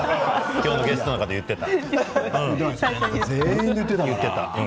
今日のゲストの方言っていた。